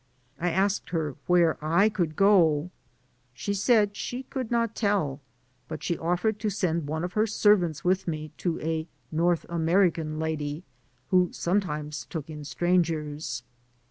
187 I asked her where I could go; she said she could not tell, but she offered to send one of her servants with me to a " North American lady,^' who some r times took in strangers.